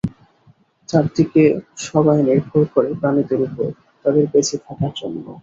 চারদিকে সবাই নির্ভর করে প্রাণীদের উপর, তাদের বেঁচে থাকার জন্য।